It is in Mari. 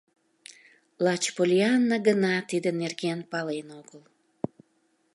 Лач Поллианна гына тидын нерген пален огыл.